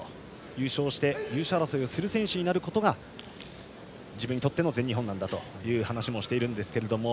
優勝して優勝争いをする選手になることが自分にとっての全日本だという話もしていますが。